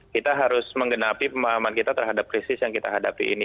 kita harus menggenapi pemahaman kita terhadap krisis yang kita hadapi ini